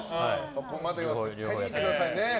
そこまでは絶対見てくださいね。